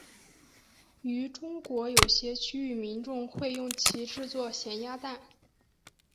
于中国有些区域民众会用其制作咸鸭蛋。